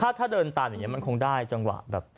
ถ้าเดินตามอย่างนี้มันคงได้จังหวะแบบ